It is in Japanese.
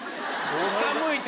下向いて。